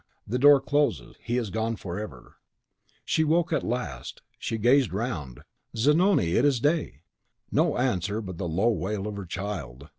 The door closes! He is gone forever! She woke at last, she gazed round. "Zanoni, it is day!" No answer but the low wail of her child.